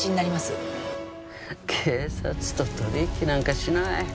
警察と取引なんかしない。